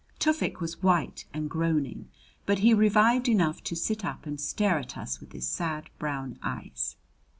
Tufik was white and groaning, but he revived enough to sit up and stare at us with his sad brown eyes.